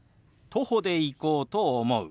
徒歩で行こうと思う。